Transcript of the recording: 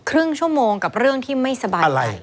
ครึ่งชั่วโมงกับเรื่องที่ไม่สบายใจ